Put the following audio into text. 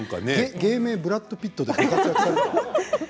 芸名はブラッド・ピットですか？